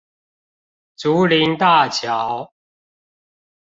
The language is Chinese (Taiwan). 竹林大橋